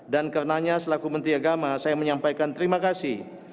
dan karenanya selaku menteri agama saya menyampaikan terima kasih